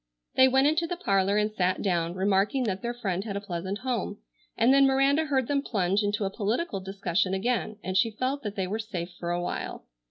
They went into the parlor and sat down, remarking that their friend had a pleasant home, and then Miranda heard them plunge into a political discussion again and she felt that they were safe for a while.